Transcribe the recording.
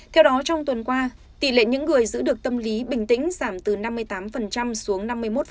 theo đó trong tuần qua tỷ lệ những người giữ được tâm lý bình tĩnh giảm từ năm mươi tám xuống năm mươi một